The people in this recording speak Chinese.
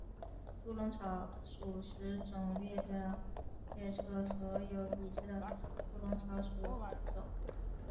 猪笼草属物种列表列出了所有已知的猪笼草属物种。